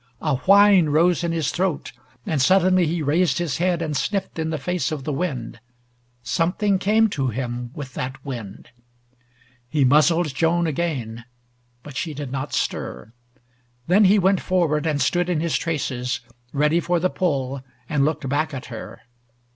A whine rose in his throat, and suddenly he raised his head and sniffed in the face of the wind. Something came to him with that wind. He muzzled Joan again, hut she did not stir. Then he went forward, and stood in his traces, ready for the pull, and looked hack at her.